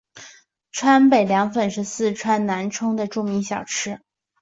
川北凉粉是四川南充的著名小吃。